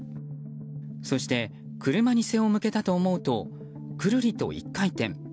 そして、車に背を向けたと思うとくるりと１回転。